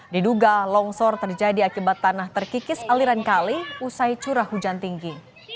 diduga longsor terjadi akibat tanah terkikis aliran kali usai curah hujan tinggi